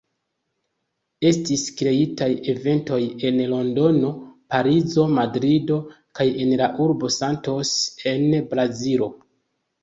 Estis kreitaj eventoj en Londono, Parizo, Madrido kaj en la urbo Santos en Brazilo.